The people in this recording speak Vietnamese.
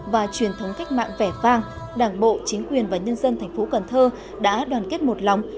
và truyền thống cách mạng vẻ vang đảng bộ chính quyền và nhân dân thành phố cần thơ đã đoàn kết một lòng